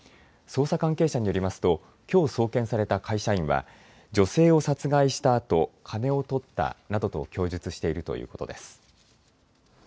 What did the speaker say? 捜査関係者によりますときょう送検された会社員は女性を殺害したあと金をとったなどと供述しているということです。